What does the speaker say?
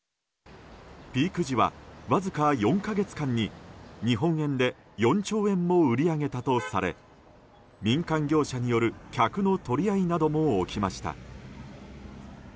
ピーク時は、わずか４か月間に日本円で４兆円も売り上げたとされ民間業者による客の取り合いなども起きました。